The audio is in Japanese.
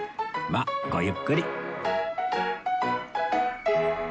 まあごゆっくり